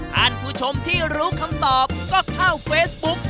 ท่านผู้ชมที่รู้คำตอบก็เข้าเฟซบุ๊ก